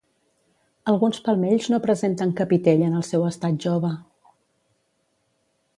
Alguns palmells no presenten capitell en el seu estat jove.